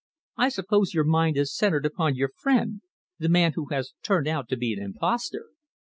I suppose your mind is centred upon your friend the man who has turned out to be an impostor."